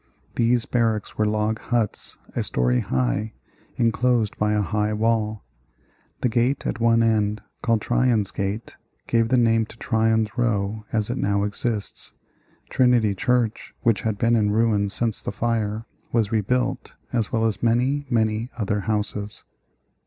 These barracks were log huts a story high, enclosed by a high wall. The gate at one end, called Tryon's Gate, gave the name to Tryon's Row as it now exists. Trinity Church, which had been in ruins since the fire, was rebuilt, as well as many, many other houses.